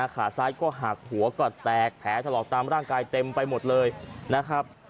ขาซ้ายก็หักหัวก็แตกแผลถลอกตามร่างกายเต็มไปหมดเลยนะครับ